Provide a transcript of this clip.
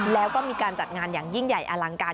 แล้วก็มีการจัดงานอย่างยิ่งใหญ่อลังการ